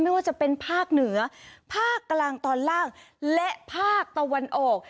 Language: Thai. ไม่ว่าจะเป็นภาคเหนือภาคกลางตอนล่างและภาคตะวันออก